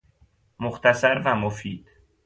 مختصر ومفید